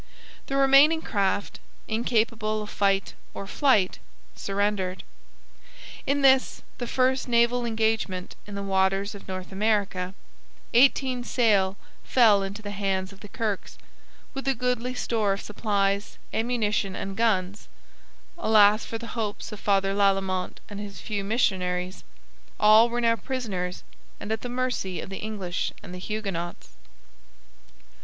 The remaining craft, incapable of fight or flight, surrendered. In this, the first naval engagement in the waters of North America, eighteen sail fell into the hands of the Kirkes, with a goodly store of supplies, ammunition, and guns, Alas for the high hopes of Father Lalemant and his fellow missionaries! all were now prisoners and at the mercy of the English and the Huguenots.